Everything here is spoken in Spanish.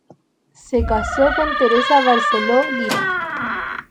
Se casó con Teresa Barceló Lira.